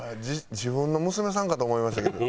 自分の娘さんかと思いましたけど。